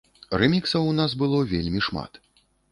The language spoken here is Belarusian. Рэміксаў у нас было вельмі шмат.